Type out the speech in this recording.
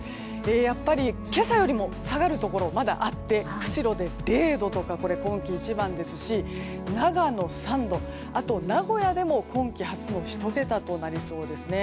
やっぱり、今朝よりも下がるところが、まだあって釧路で０度とかは今季一番ですし長野は３度で、名古屋でも今季初の１桁となりそうです。